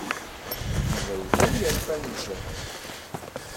Yuba iban-d yerfa nezzeh.